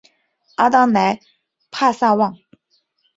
阿当莱帕萨旺。